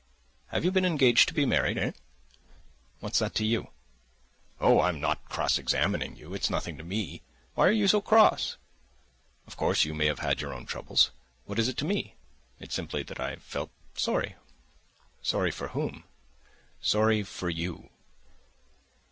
"Have you been engaged to be married? Eh?" "What's that to you?" "Oh, I am not cross examining you. It's nothing to me. Why are you so cross? Of course you may have had your own troubles. What is it to me? It's simply that I felt sorry." "Sorry for whom?" "Sorry for you."